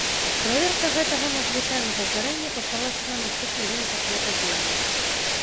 Праверка гэтага надзвычайнага здарэння пачалася на наступны дзень пасля падзення.